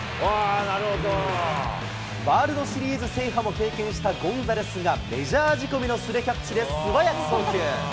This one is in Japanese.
ワールドシリーズ制覇も経験したゴンザレスがメジャー仕込みの素手キャッチで、素早く送球。